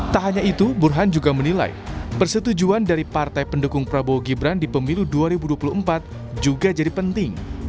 tak hanya itu burhan juga menilai persetujuan dari partai pendukung prabowo gibran di pemilu dua ribu dua puluh empat juga jadi penting